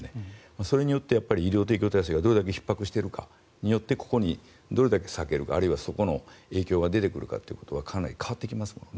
それによって医療提供体制がどれだけひっ迫しているかでここにどれだけ割けるかあるいはそこの影響が出ているかはかなり変わってきますよね。